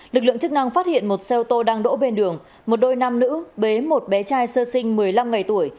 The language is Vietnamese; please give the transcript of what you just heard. lực lượng chức năng phát hiện một xe ô tô đang đổ bên đường một đôi nam nữ bế một bé trai sơ sinh một mươi năm ngày tuổi